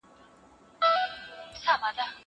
هغه څوک چي قلمان پاکوي منظم وي!!